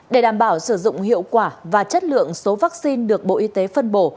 để đảm bảo sử dụng hiệu quả và chất lượng số vaccine được bộ y tế phân bổ